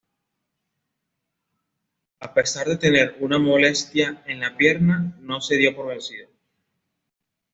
A pesar de tener una molesta en la pierna, no se dio por vencido.